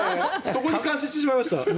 そこに感心してしまいました。